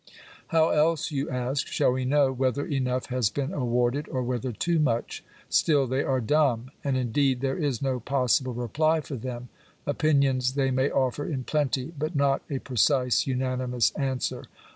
" How else," you ask, " shall we know whether enough has been awarded, or whether too much ?" Still they are dumb. And, indeed, there is no possible reply for them. Opinions they may offer in plenty ; but not a pre cise, unanimous answer.